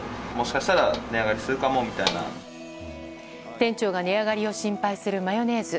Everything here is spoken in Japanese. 店長が値上がりを心配するマヨネーズ。